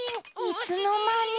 いつのまに。